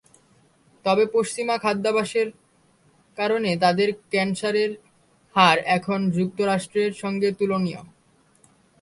তবে পশ্চিমা খাদ্যাভ্যাসের কারণে তাদের ক্যানসারের হার এখন যুক্তরাষ্ট্রের সঙ্গে তুলনীয়।